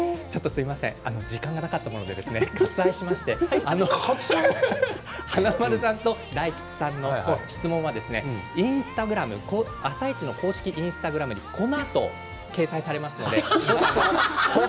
時間がなかったもので割愛しました華丸さんと大吉さんの質問は「あさイチ」の公式インスタグラムに、このあとちょっと待って、何それ。